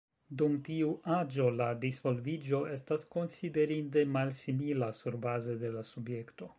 Dum tiu aĝo la disvolviĝo estas konsiderinde malsimila surbaze de la subjekto.